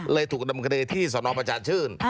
ถูกดำเนินคดีที่สนประชาชื่น